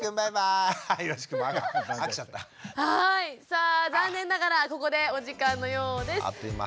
さあ残念ながらここでお時間のようです。